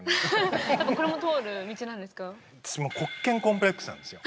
これも通る道なんですか？